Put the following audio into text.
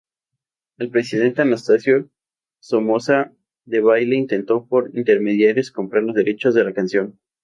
El presidente Anastasio Somoza Debayle intentó por intermediarios comprar los derechos de la canción.